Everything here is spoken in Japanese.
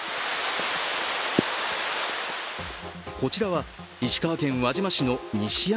こちらは石川県輪島市。